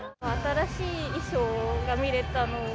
新しい衣装が見れたのも。